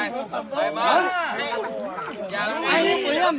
พ่อหนูเป็นใคร